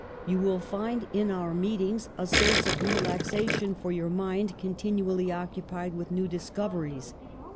You will find in our meetings a source of relaxation for your mind continually occupied with new discoveries.